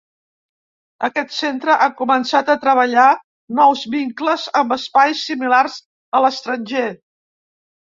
Aquest centre ha començat a treballar nous vincles amb espais similars a l'estranger.